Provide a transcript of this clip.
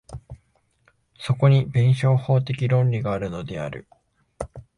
そこに弁証法的論理があるのである。